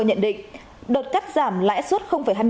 nhận định đợt cắt giảm lãi xuất